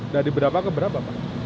dari berapa ke berapa